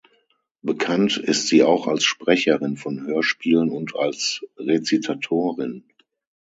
Bekannt ist sie auch als Sprecherin von Hörspielen und als Rezitatorin.